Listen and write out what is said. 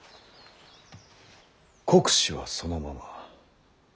国司はそのまま。